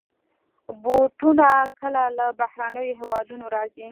بوټونه کله له بهرنيو هېوادونو راځي.